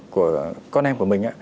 của con em của mình